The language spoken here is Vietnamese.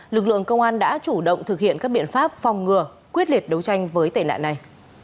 lực lượng công an đã chủ động thực hiện các biện pháp phòng ngừa quyết liệt đấu tranh với tệ nạn này